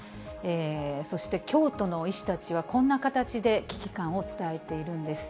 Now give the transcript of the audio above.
そして京都の医師たちは、こんな形で危機感を伝えているんです。